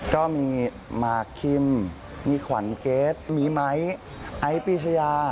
ก็มีมากคิมมีขวัญเกรทมีไม้ไอ้ปีชยา